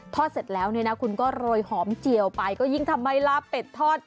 ทอดเสร็จแล้วคุณก็โรยหอมเจียวไปก็ยิ่งทำไมล่าเป็ดทอด